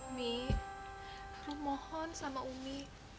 umi perlu mohon sama umi